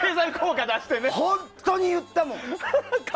本当に言ったもん！